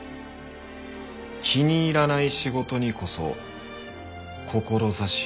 「気に入らない仕事にこそ志を持て」。